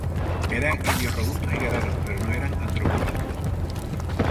Eran indios robustos y guerreros, pero no eran antropófagos.